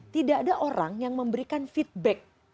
tidak ada orang yang memberikan feedback